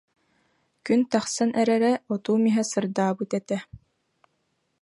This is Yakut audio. Күн тахсан эрэрэ, отуум иһэ сырдаабыт этэ